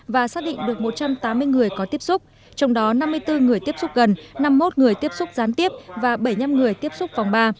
và xác định được một trăm tám mươi người có tiếp xúc trong đó năm mươi bốn người tiếp xúc gần năm mươi một người tiếp xúc gián tiếp và bảy mươi năm người tiếp xúc vòng ba